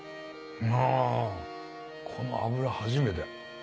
あこの脂初めて。